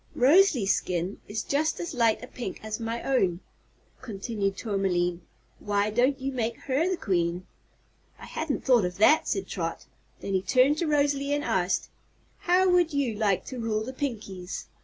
"Rosalie's skin is just as light a pink as my own," continued Tourmaline. "Why don't you make her the Queen?" "I hadn't thought of that," said Trot. Then she turned to Rosalie and asked: "How would you like to rule the Pinkies?"